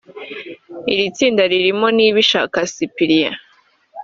Iri tsinda ririmo Niyibishaka Syprien